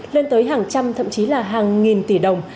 lên tới hàng trăm thậm chí là hàng nghìn tỷ đồng